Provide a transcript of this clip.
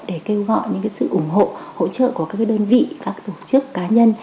để kêu gọi những sự ủng hộ hỗ trợ của các đơn vị các tổ chức cá nhân